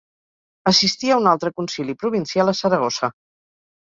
Assistí a un altre concili provincial a Saragossa.